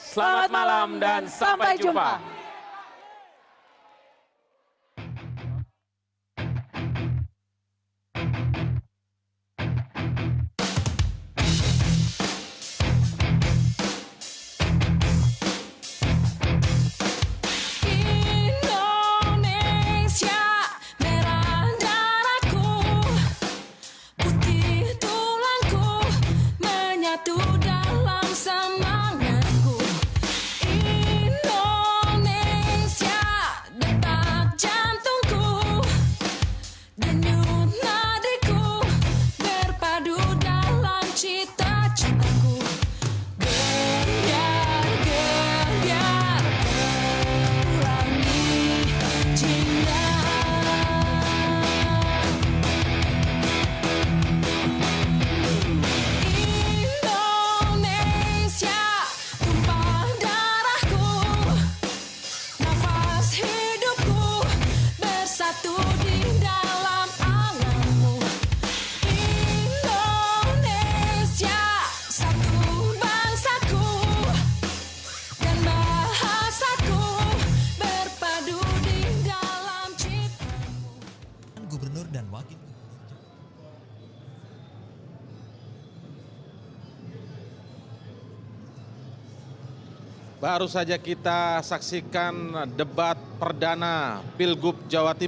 selamat malam dan sampai jumpa